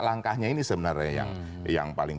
langkahnya ini sebenarnya yang paling